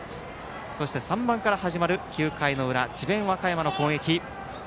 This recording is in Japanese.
そして３番から始まる９回の裏智弁和歌山の攻撃。